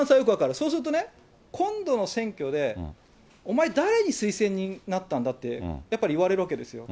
そうするとね、今度の選挙で、お前、誰の推薦人になったんだって、やっぱり言われるわけですよ。